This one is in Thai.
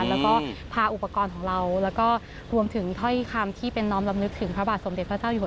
แล้วก็พาอุปกรณ์ของเราแล้วก็รวมถึงถ้อยคำที่เป็นน้อมลำลึกถึงพระบาทสมเด็จพระเจ้าอยู่